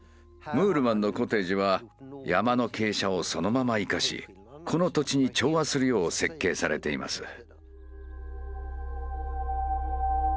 ムールマンのコテージは山の傾斜をそのまま生かしこの土地に調和するよう設計されています。